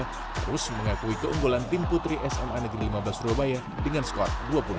harus mengakui keunggulan tim putri sma negeri lima belas surabaya dengan skor dua puluh enam